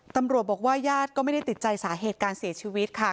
ตำรวจบอกว่าญาติก็ไม่ได้ติดใจสาเหตุการเสียชีวิตค่ะ